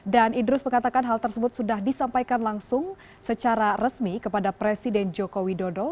dan idrus mengatakan hal tersebut sudah disampaikan langsung secara resmi kepada presiden joko widodo